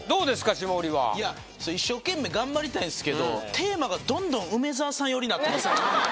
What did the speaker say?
霜降りは一生懸命頑張りたいんですけどテーマがどんどん梅沢さんよりになってません？